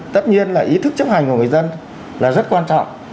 tất nhiên là ý thức chấp hành của người dân là rất quan trọng